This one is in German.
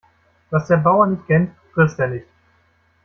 Was der Bauer nicht kennt, frisst er nicht.